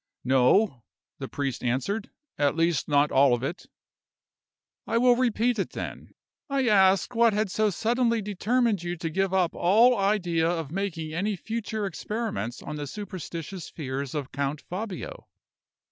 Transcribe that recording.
"No," the priest answered. "At least, not all of it." "I will repeat it, then. I asked what had so suddenly determined you to give up all idea of making any future experiments on the superstitious fears of Count Fabio?"